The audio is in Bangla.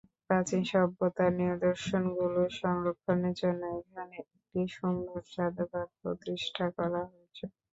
প্রাচীন সভ্যতার নিদর্শনগুলো সংরক্ষণের জন্য এখানে একটি সুন্দর জাদুঘর প্রতিষ্ঠা করা হয়েছে।